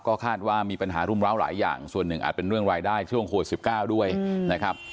ก็คาดว่ามีปัญหารุมร้าวหลายอย่างส่วนหนึ่งอาจเป็นเรื่องรายได้ช่วงโควิด๑๙ด้วยนะครับ